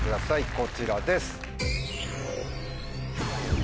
こちらです。